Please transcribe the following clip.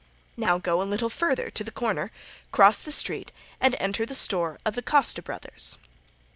Now go a little further to the corner, cross the street and enter the store of the Costa Brothers.